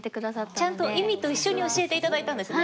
ちゃんと意味と一緒に教えて頂いたんですね。